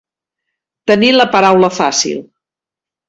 Tenir la paraula fàcil.